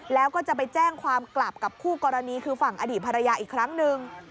แล้วก็จะไปแจ้งความกลับกับคู่กรณีคือฝั่งอดีตภรรยาอีกครั้งหนึ่ง